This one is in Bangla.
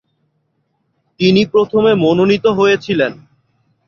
তিনি প্রথমে মনোনীত হয়েছিলেন।